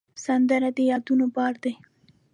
سندره د یادونو بار دی